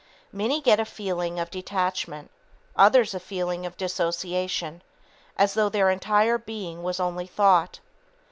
Many get a feeling of "detachment;" others a feeling of "disassociation," as though their entire being was only thought.